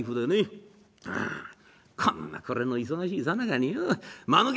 「ああこんな暮れの忙しいさなかによまぬけ